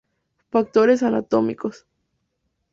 Factores anatómicos.